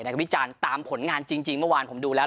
ก็วิจารณ์ตามผลงานจริงเมื่อวานผมดูแล้ว